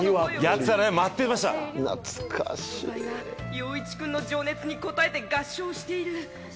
陽一くんの情熱に応えて合唱している。